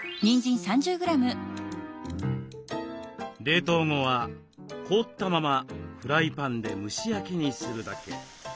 冷凍後は凍ったままフライパンで蒸し焼きにするだけ。